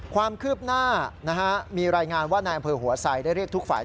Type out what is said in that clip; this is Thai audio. ความคืบหน้ามีรายงานว่านายอำเภอหัวไซดได้เรียกทุกฝ่าย